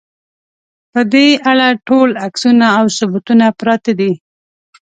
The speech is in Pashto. په دې اړه ټول عکسونه او ثبوتونه پراته دي.